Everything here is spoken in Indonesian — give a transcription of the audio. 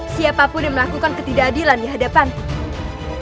siapapun yang melakukan ketidakadilan di hadapan